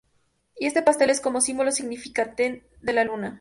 Y este pastel es como símbolo significante de la luna.